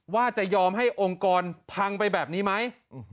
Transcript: ว่าจะยอมให้องค์กรพังไปแบบนี้ไหม